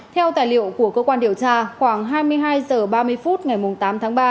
theo tài liệu của cơ quan điều tra khoảng hai mươi hai h ba mươi phút ngày tám tháng ba